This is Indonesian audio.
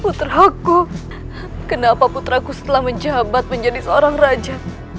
puteraku kenapa puteraku setelah menjabat menjadi seorang raja